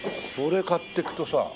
これ買ってくとさ